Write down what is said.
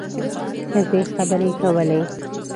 ښځې خبرې کولې.